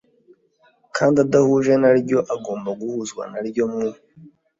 kandi adahuje naryo agomba guhuzwa naryo mu